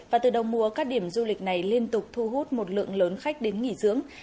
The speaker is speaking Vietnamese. và từ đầu mùa các điểm du lịch này liên tục thu hút một lượng lớn khách đến nghỉ dưỡng